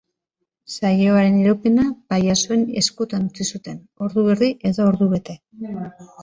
Saioaren iraupena pailazoen eskutan utzi zuten, ordu erdi edo ordubete.